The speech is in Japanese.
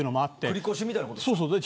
繰り越しみたいなこと。